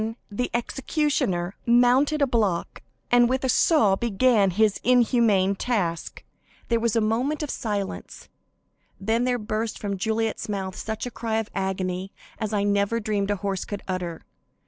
Then the executioner mounted a block, and with a saw began his inhuman task. There was a moment of silence, then there burst from Juliet's mouth such a cry of agony as I never dreamed a horse could utter.